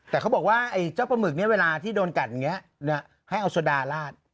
แต่เขาบอกว่าไอ้เจ้าปลาหมึกเนี่ยเวลาที่โดนกัดอย่างนี้ให้เอาโซดาลาด